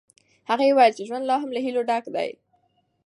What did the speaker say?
هغې وویل چې ژوند لا هم له هیلو ډک دی.